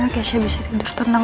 keisha bisa tidur tenang juga